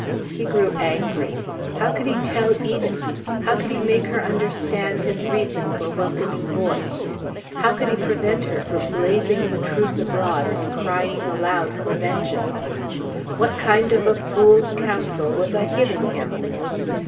He grew angry. How could he tell Edith? How could he make her understand his reason for welcoming Boyce? How could he prevent her from blazing the truth abroad and crying aloud for vengeance? What kind of a fool's counsel was I giving him?